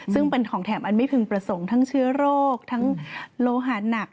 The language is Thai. ซึ่งเป็นของแถมอันไม่พึงประสงค์ทั้งเชื้อโรคทั้งโลหาหนัก